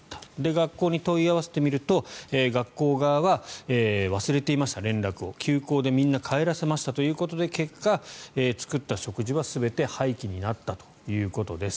学校に問い合わせてみると学校側は忘れていました、連絡を休校でみんな帰らせましたということで結果、作った食事は全て廃棄になったということです。